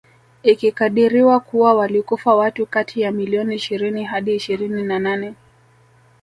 Ikikadiriwa kuwa walikufa watu kati ya milioni ishirini hadi ishirini na nane